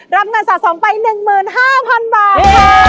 รับเงินสะสมไป๑๕๐๐๐บาทค่ะ